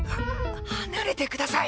離れてください！